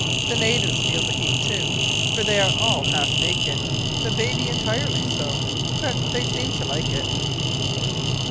The natives feel the heat, too, for they are all half naked the baby entirely so; but they seem to like it!